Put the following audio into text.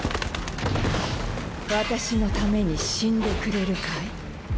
私のために死んでくれるかい？